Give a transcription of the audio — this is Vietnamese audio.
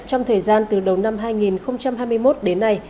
trong thời gian từ đầu năm hai nghìn hai mươi một đến nay